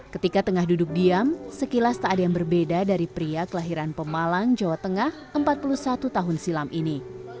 ketika tengah duduk diam sekilas tak ada yang berbeda dari pria kelahiran pemalang jawa tengah empat puluh satu tahun silam ini